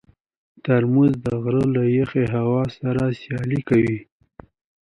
ترموز د غره له یخې هوا سره سیالي کوي.